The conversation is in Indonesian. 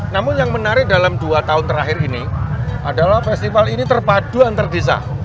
namun yang menarik dalam dua tahun terakhir ini adalah festival ini terpadu antar desa